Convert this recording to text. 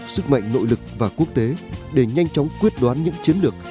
sức mạnh nội lực và quốc tế để nhanh chóng quyết đoán những chiến lược